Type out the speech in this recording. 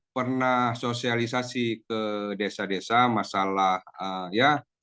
pernah sosialisasi ke desa desa masalah ya